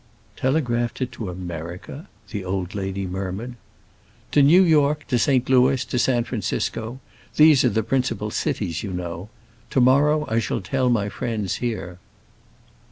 "Telegraphed it to America?" the old lady murmured. "To New York, to St. Louis, and to San Francisco; those are the principal cities, you know. To morrow I shall tell my friends here."